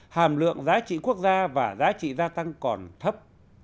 hàm lượng giá trị quốc gia và giá trị gia tăng còn thấp